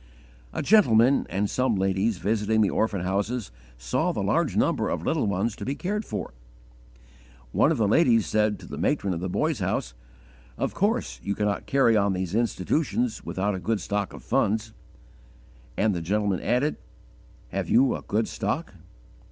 A gentleman and some ladies visiting the orphan houses saw the large number of little ones to be cared for. One of the ladies said to the matron of the Boys' House: "Of course you cannot carry on these institutions without a good stock of funds"; and the gentleman added, "Have you a good stock?"